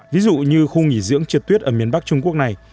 ví dụ như khu nghỉ dưỡng trượt tuyết ở miền bắc trung quốc này